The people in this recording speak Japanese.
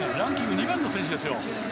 ２番の選手ですよ。